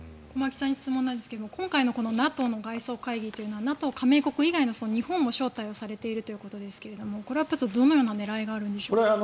駒木さんに質問ですが今回のＮＡＴＯの外相会議はＮＡＴＯ加盟国以外の日本も招待されているということですがこれはどのような狙いがあるんでしょうか。